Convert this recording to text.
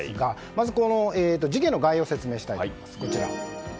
まず、事件の概要を説明したいと思います。